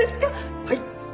はい？